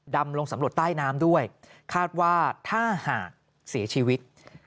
ดำลงสำรวจใต้น้ำด้วยคาดว่าถ้าหากเสียชีวิต